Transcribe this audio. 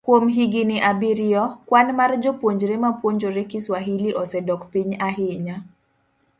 Kuom higini abiriyo, kwan mar jopuonjre mapuonjore Kiswahili osedok piny ahinya